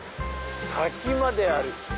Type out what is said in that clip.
滝まである。